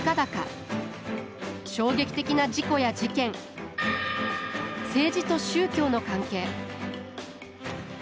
衝撃的な事故や事件政治と宗教の関係